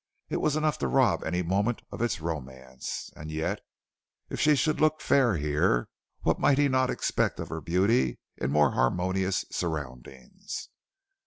It was enough to rob any moment of its romance. And yet, if she should look fair here, what might he not expect of her beauty in more harmonious surroundings.